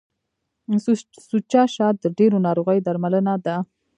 سوچه شات د ډیرو ناروغیو درملنه ده.